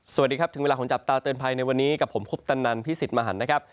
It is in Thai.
สวัสดีครับถึงเวลาของจับตาเตือนภัยในวันนี้กับผมคุปตันนันพี่สิทธิ์มหันนะครับ